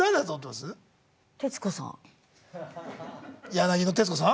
柳の徹子さん？